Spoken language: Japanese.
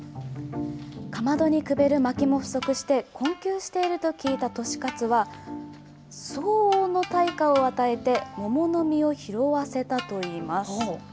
かまどにくべるまきも不足して、困窮していると聞いた利勝は、相応の対価を与えて、桃の実を拾わせたといいます。